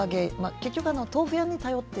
結局、豆腐屋に頼っている。